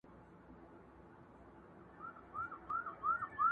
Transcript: حقيقت ورو ورو پټيږي ډېر ژر،